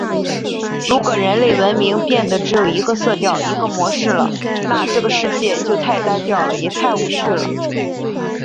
如果人类文明变得只有一个色调、一个模式了，那这个世界就太单调了，也太无趣了！